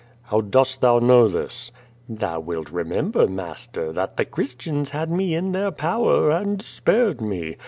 "How dost thou know this?" "Thou wilt remcmlKjr, master, that the Christians had me in their power and spared me.